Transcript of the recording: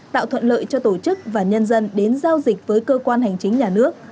tạo thuận lợi cho tổ chức và nhân dân đến giao dịch với cơ quan hành chính nhà nước